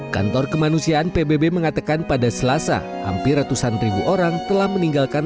kantor kemanusiaan pbb mengatakan pada selasa hampir ratusan ribu orang telah meninggalkan